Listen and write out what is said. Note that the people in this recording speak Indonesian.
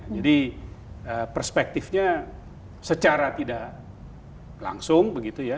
jadi perspektifnya secara tidak langsung